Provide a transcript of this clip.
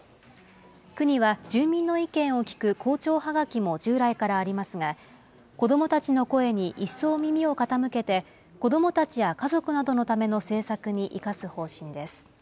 国は、住民の意見を聞く広聴はがきも従来からありますが、子どもたちの声に一層耳を傾けて、子どもたちや家族などのための政策に生かす方針です。